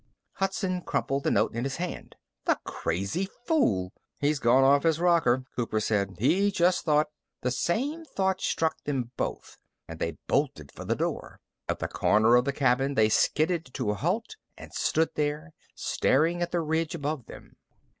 Hudson crumpled the note in his hand. "The crazy fool!" "He's gone off his rocker," Cooper said. "He just thought...." The same thought struck them both and they bolted for the door. At the corner of the cabin, they skidded to a halt and stood there, staring at the ridge above them.